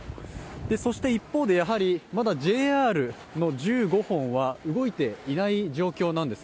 そして一方で、やはりまだＪＲの１５本は動いていない状況です。